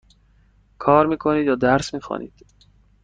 کار می کنید یا درس می خوانید؟